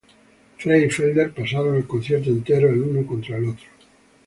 Frey y Felder pasaron el concierto entero el uno contra el otro.